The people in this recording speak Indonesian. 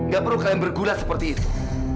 gak perlu kalian bergulat seperti itu